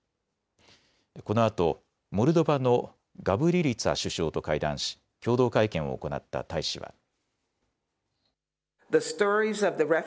このあとモルドバのガブリリツァ首相と会談し共同会見を行った大使は。